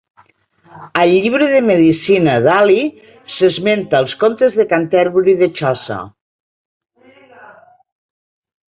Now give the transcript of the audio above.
El llibre de medicina d'Haly s'esmenta als contes de Canterbury de Chaucer.